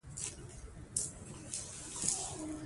افغانستان کې آب وهوا د خلکو د خوښې وړ ځای دی.